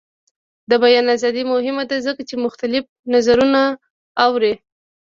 د بیان ازادي مهمه ده ځکه چې مختلف نظرونه اوري.